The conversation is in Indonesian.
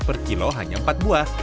per kilo hanya empat buah